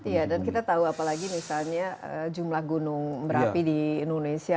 iya dan kita tahu apalagi misalnya jumlah gunung merapi di indonesia